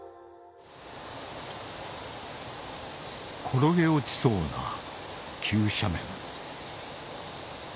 転げ落ちそうな急斜面